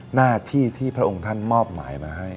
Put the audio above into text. หน้าที่ที่พระองค์ท่านมอบหมายมาให้